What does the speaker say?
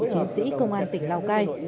chiến sĩ công an tỉnh lào cai